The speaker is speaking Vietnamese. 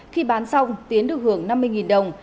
khi bán xong tiến được hưởng năm mươi đồng